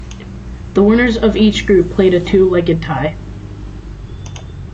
The winners of each group played a two-legged tie.